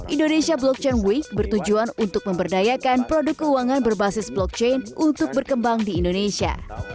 indonesia blockchain week bertujuan untuk memberdayakan produk keuangan berbasis blockchain untuk berkembang di indonesia